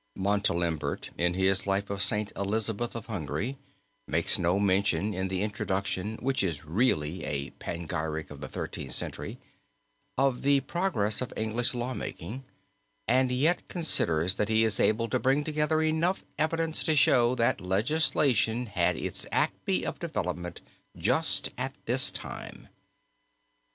Montalembert in his Life of St. Elizabeth of Hungary [Footnote 30] makes no mention in the Introduction which is really a panegyric of the Thirteenth Century, of the progress of English law making, and yet considers that he is able to bring together enough evidence to show that legislation had its acme of development just at this time.